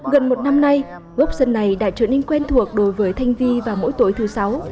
gần một năm nay gốc sân này đã trở nên quen thuộc đối với thanh vi vào mỗi tối thứ sáu